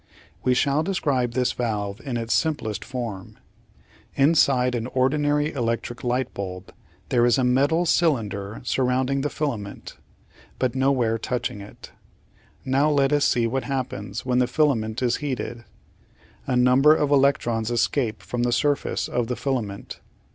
We shall describe this valve in its simplest form. Inside an ordinary electric light bulb there is a metal cylinder surrounding the filament, but nowhere touching it. Now let us see what happens when the filament is heated. A number of electrons escape from the surface of the filament.